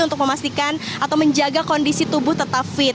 untuk memastikan atau menjaga kondisi tubuh tetap fit